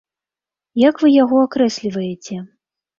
Як вы яго акрэсліваеце?